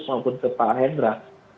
atau pak hendra